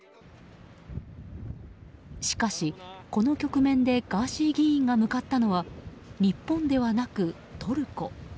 しかし、この局面でガーシー議員が向かったのは日本ではなくトルコ。